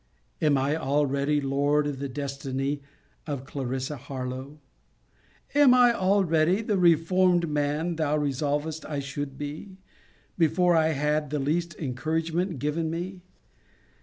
Am I already lord of the destiny of a Clarissa Harlowe? Am I already the reformed man thou resolvest I should be, before I had the least encouragement given me?